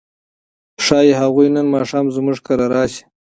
ښايي هغوی نن ماښام زموږ کره راشي.